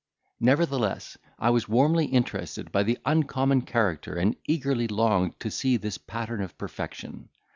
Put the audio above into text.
Nevertheless, I was warmly interested by the uncommon character, and eagerly longed to see this pattern of perfection.